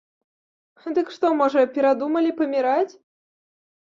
Дык што, можа, перадумалі паміраць?